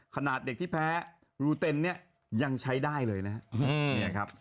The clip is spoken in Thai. ขนาดเด็กที่แพ้รูเต็นเนี่ยยังใช้ได้เลยนะครับ